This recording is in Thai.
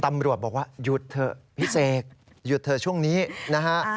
ตำรวจบอกว่าหยุดเถอะพี่เสกหยุดเถอะช่วงนี้นะฮะ